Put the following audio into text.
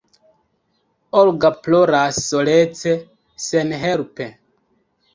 Olga ploras solece, senhelpe.